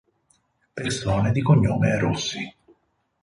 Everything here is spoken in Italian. Persone di cognome Rossi